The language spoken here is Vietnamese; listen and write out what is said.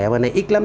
ở bên đây ít lắm